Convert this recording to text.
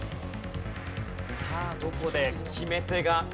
さあどこで決め手がくるか？